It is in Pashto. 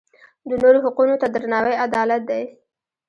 د نورو حقونو ته درناوی عدالت دی.